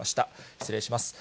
失礼します。